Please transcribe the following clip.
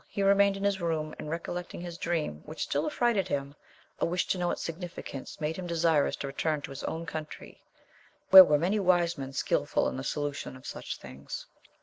He remained in his room, and recollecting his dream, which still affrighted him, a wish to know its signifi cation made him desirous to return to his own country, where were many wise men skilful in the solution of such things.